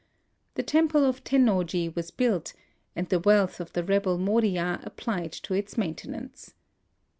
The temple of Tennoji was built, and the wealth of the rebel Moriya applied to its maintenance.